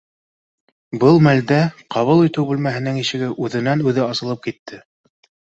Был мәлдә ҡабул итеү бүлмә һенең ишеге үҙенән-үҙе асылып китте